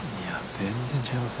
全然違います。